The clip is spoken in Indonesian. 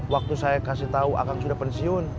waktu saya kasih tahu akan sudah pensiun